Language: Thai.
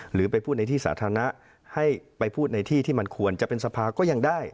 หรือไปพูดในที่สาธารณะให้ไปพูดในที่ที่มันควรจะเป็นสภาก็ยังได้